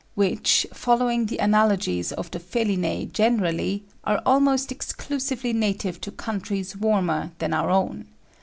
which, following the analogies of the Felinæ generally, are almost exclusively native to countries warmer than our own.